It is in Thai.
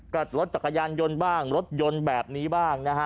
ก็รถจักรยานยนต์บ้างรถยนต์แบบนี้บ้างนะฮะ